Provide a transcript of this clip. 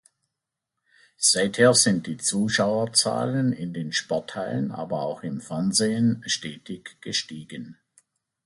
Seither sind die Zuschauerzahlen in den Sporthallen, aber auch im Fernsehen, stetig gestiegen.